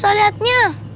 kalian mereka menunggukan